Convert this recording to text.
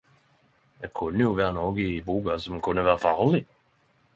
Det kunne jo vere noe i boka som kunne vere farleg.